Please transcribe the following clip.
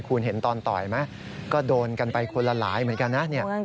คุณเห็นตอนต่อยไหมก็โดนกันไปคนละหลายเหมือนกันนะ